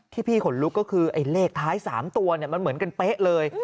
พี่ขนลุกก็คือไอ้เลขท้าย๓ตัวมันเหมือนกันเป๊ะเลย